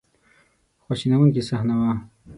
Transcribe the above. خواشینونکې صحنه وه.